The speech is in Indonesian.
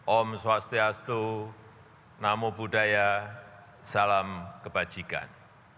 om swastiastu namo buddhaya salam kebajikan